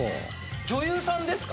女優さんですか？